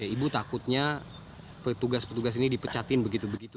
ibu takutnya petugas petugas ini dipecatin begitu begitu